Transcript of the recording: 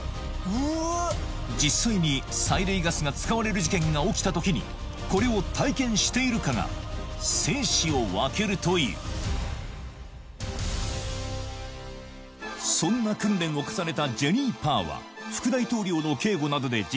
実際に催涙ガスが使われる事件が起きた時にこれを体験しているかが生死を分けるというそんな訓練を重ねたジェリー・パーは副大統領の警護などで実績を積むと